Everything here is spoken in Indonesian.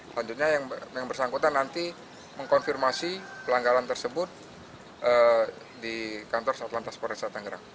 selanjutnya yang bersangkutan nanti mengkonfirmasi pelanggaran tersebut di kantor satlantas polresta tangerang